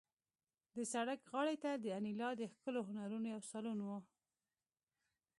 د سړک غاړې ته د انیلا د ښکلو هنرونو یو سالون و